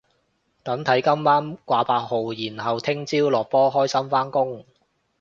等睇今晚掛八號然後聽朝落波開心返工